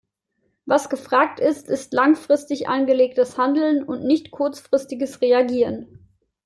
Was gefragt ist, ist langfristig angelegtes Handeln und nicht kurzfristiges Reagieren.